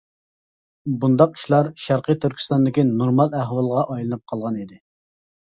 بۇنداق ئىشلار شەرقى تۈركىستاندىكى نورمال ئەھۋالغا ئايلىنىپ قالغان ئىدى .